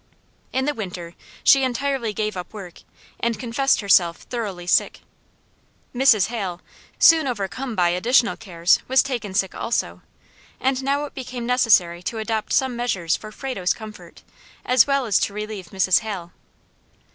In the winter she entirely gave up work, and confessed herself thoroughly sick. Mrs. Hale, soon overcome by additional cares, was taken sick also, and now it became necessary to adopt some measures for Frado's comfort, as well as to relieve Mrs. Hale.